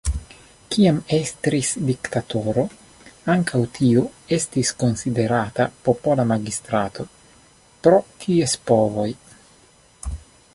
Kiam estris diktatoro, ankaŭ tiu estis konsiderata popola magistrato, pro ties povoj.